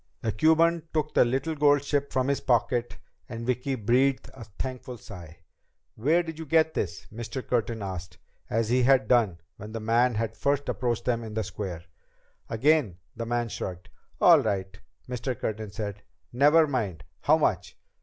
The Cuban took the little gold ship from his pocket and Vicki breathed a thankful sigh. "Where did you get this?" Mr. Curtin asked, as he had done when the man had first approached them in the square. Again the man shrugged. "All right," Mr. Curtin said. "Never mind. How much?"